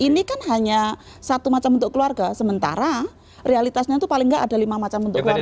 ini kan hanya satu macam bentuk keluarga sementara realitasnya itu paling nggak ada lima macam bentuk keluarga